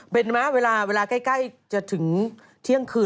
เบนมั้ยเวลาใกล้ถึงเที่ยงคืน